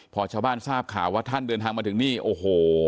พอชาวบ้านทราบข่าวว่าท่านเดินทางมาถึงนี่โอ้โห